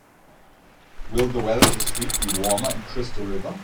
Will the weather this week be warmer in Crystal River?